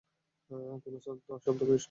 কোনো শব্দ করিস না।